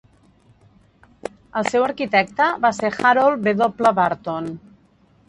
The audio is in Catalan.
El seu arquitecte va ser Harold W. Burton.